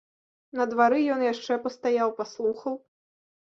На двары ён яшчэ пастаяў, паслухаў.